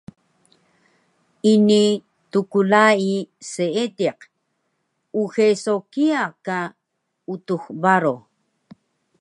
Ini tklai seediq, uxe so kiya ka Utux Baro